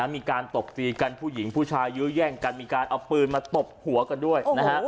มีการตบตีกันผู้หญิงผู้ชายยื้อแย่งกันมีการเอาปืนมาตบหัวกันด้วยนะฮะ